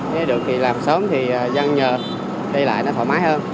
thế được thì làm sớm thì dân nhờ đi lại nó thoải mái hơn